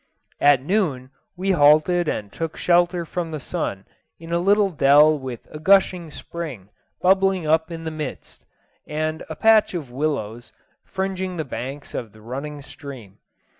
At noon we halted and took shelter from the sun in a little dell with a gushing spring bubbling up in the midst, and a patch of willows fringing the banks of the running stream.